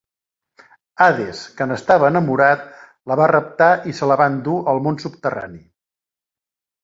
Hades, que n'estava enamorat, la va raptar i se la va endur al món subterrani.